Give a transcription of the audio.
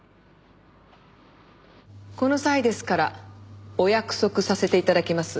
この際ですからお約束させて頂きます。